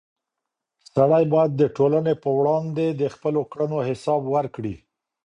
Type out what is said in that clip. سړی باید د ټولنې په وړاندې د خپلو کړنو حساب ورکړي.